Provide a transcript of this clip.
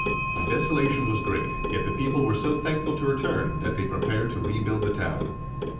The desolation was great; yet the people were so thankful to return, that they prepared to rebuild the town.